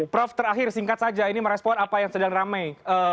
prof terakhir singkat saja ini merespon apa yang sedang ramai